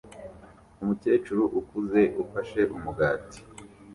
Umukecuru ukuze ufashe umugati